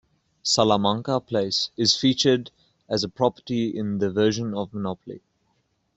Salamanca Place is featured as a property in the version of Monopoly.